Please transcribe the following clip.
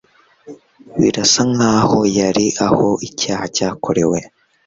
Birasa nkaho yari aho icyaha cyakorewe.